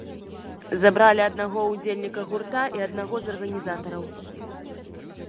Забралі аднаго ўдзельніка гурта і аднаго з арганізатараў.